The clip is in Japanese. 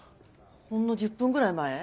ほんの１０分ぐらい前。